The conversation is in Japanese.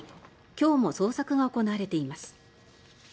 今日も捜索が行われています。